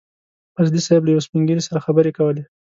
فضلي صیب له يو سپين ږيري سره خبرې کولې.